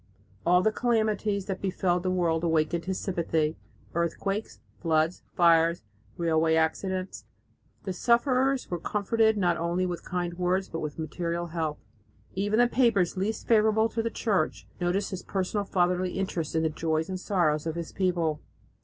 All the calamities that befell the world awakened his sympathy, earthquakes, floods, fires, railway accidents .... The sufferers were comforted not only with kind words but with material help. Even the papers least favourable to the Church noticed his personal fatherly interest in the joys and sorrows of his people.